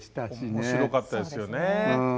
面白かったですよね。